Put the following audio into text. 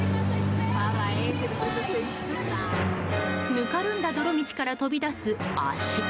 ぬかるんだ泥道から飛び出す足。